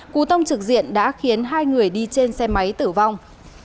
cú tông trực diện đã khiến hai người đi trên xe máy tử vong